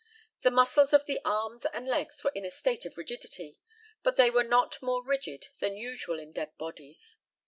The muscles of the arms and legs were in a state of rigidity, but they were not more rigid than usual in dead bodies.